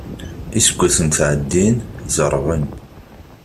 Iseggasen ttɛeddin, zerrben.